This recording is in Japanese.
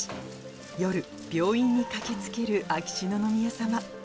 夜、病院に駆けつける秋篠宮さま。